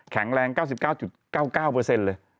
แข็งแรง๙๙๙๙เลย